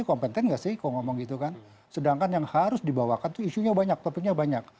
kompeten nggak sih kalau ngomong gitu kan sedangkan yang harus dibawakan itu isunya banyak topiknya banyak